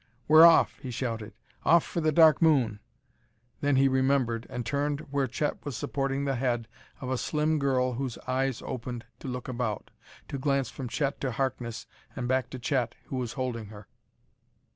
"We're off!" he shouted. "Off for the Dark Moon!" Then he remembered, and turned where Chet was supporting the head of a slim girl whose eyes opened to look about, to glance from Chet to Harkness and back to Chet who was holding her.